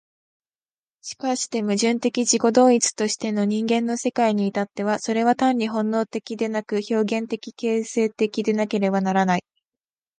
しかして矛盾的自己同一としての人間の世界に至っては、それは単に本能的でなく、表現的形成的でなければならない。